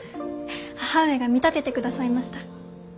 母上が見立ててくださいました。